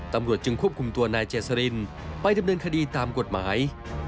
ตำรวจจึงควบคุมตัวนายเจษรินไปดำเนินคดีตามกฎหมาย